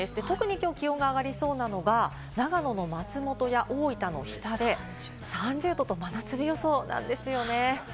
今日、特に気温が上がりそうなのが松本や大分の日田で３０度の真夏日予想なんですね。